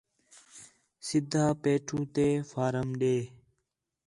سِدّھا پیٹھو تے فارم ݙے